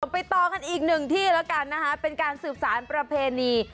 ไปต่อกันอีกหนึ่งที่แล้วกันนะคะเป็นการสืบสารประเพณี